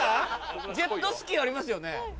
ジェットスキーありますよね。